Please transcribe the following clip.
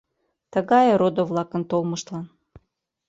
Тыгае родо-влакын толмыштлан.